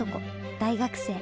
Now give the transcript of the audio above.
大学生。